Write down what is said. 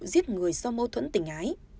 giết người do mâu thuẫn tình ái